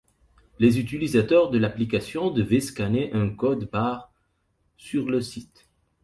Les utilisateurs de l'application devaient scanner un code-barres sur le site.